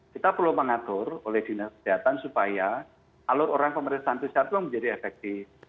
kita perlu mengatur oleh dinas kesehatan supaya alur orang pemeriksaan pcr itu menjadi efektif